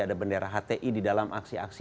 ada bendera hti di dalam aksi aksi